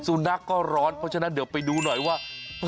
สุนัขก็ร้อนเพราะฉะนั้นเดี๋ยวไปดูหน่อยว่า